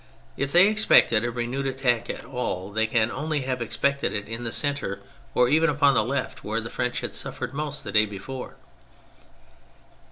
If they expected a renewed attack at all, they can only have expected it in the centre, or even upon the left where the French had suffered most the day before.